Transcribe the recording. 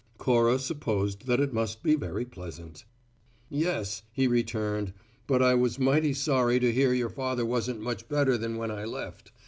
Cora supposed that it must be very pleasant. "Yes," he returned. "But I was mighty sorry to hear your father wasn't much better than when I left.